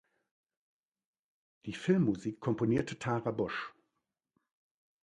Die Filmmusik komponierte Tara Busch.